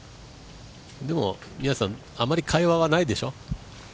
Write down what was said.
でも、あまり会話はないでしょ？